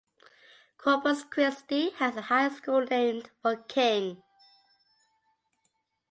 Corpus Christi has a high school named for King.